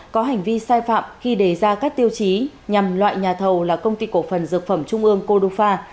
có hành vi sai phạm khi đề ra các tiêu chí nhằm loại nhà thầu là công ty cổ phần dược phẩm trung ương cô đúc pha